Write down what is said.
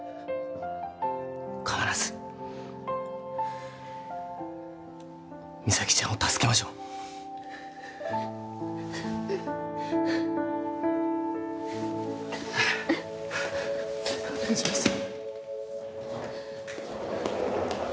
必ず実咲ちゃんを助けましょうお願いします